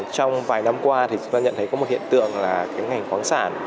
trong vài năm qua thì chúng ta nhận thấy có một hiện tượng là cái ngành khoáng sản